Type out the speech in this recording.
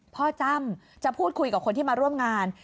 จ้ำจะพูดคุยกับคนที่มาร่วมงาน